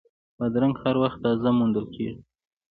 بادرنګ هر وخت تازه موندل کېږي.